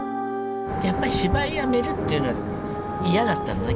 やっぱり芝居やめるっていうのは嫌だったのね。